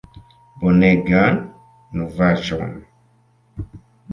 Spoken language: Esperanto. Bonegan novaĵon!"